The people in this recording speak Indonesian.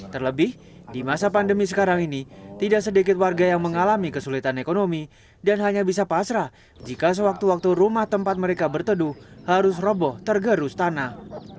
terlebih di masa pandemi sekarang ini tidak sedikit warga yang mengalami kesulitan ekonomi dan hanya bisa pasrah jika sewaktu waktu rumah tempat mereka berteduh harus roboh tergerus tanah